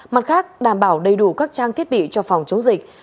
mặt khác đảm bảo đầy đủ các trang thiết bị cho phòng chống dịch